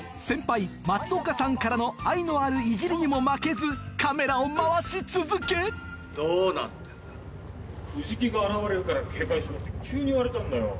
先輩松岡さんからの愛のあるいじりにも負けずカメラを回し続けどうなってんだ。